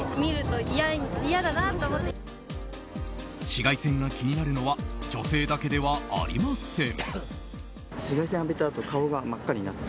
紫外線が気になるのは女性だけではありません。